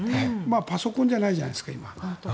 パソコンじゃないじゃないですか。